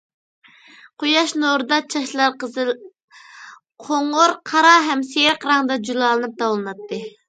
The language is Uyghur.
قۇياش نۇرىدا چاچلار قىزىل، قوڭۇر، قارا ھەم سېرىق رەڭدە جۇلالىنىپ تاۋلىناتتى.